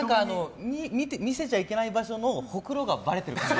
見せちゃいけない場所のほくろがばれてる感じですね。